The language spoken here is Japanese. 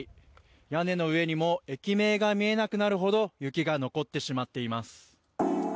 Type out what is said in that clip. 屋根の上にも駅名が見えなくなるほど雪が残ってしまっています。